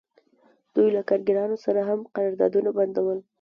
دوی له کارګرانو سره هم قراردادونه بندول